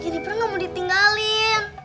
jennifer gak mau ditinggalin